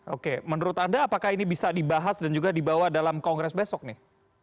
oke menurut anda apakah ini bisa dibahas dan juga dibawa dalam kongres besok nih